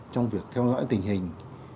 trong việc theo dõi tình hình